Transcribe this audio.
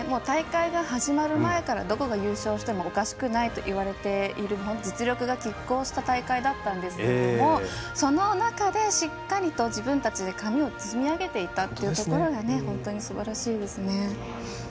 大会が始まる前からどこが優勝してもおかしくないといわれている実力がきっ抗した大会だったんですけれどその中で、自分たちで積み上げていたっていうところが本当にすばらしいですよね。